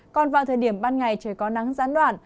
còn vào thời điểm ban ngày trời có nắng gián đoạn